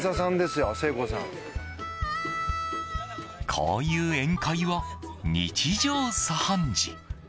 こういう宴会は日常茶飯事。